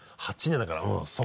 ８年だからうん。